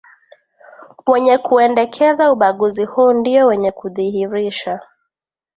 Wenye kuendekeza ubaguzi huu ndiyo wenye kudhihirisha